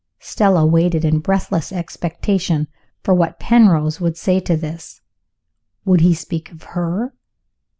(Stella waited, in breathless expectation, for what Penrose would say to this. Would he speak of _her?